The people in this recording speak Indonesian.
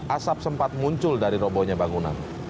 asap sempat muncul dari robohnya bangunan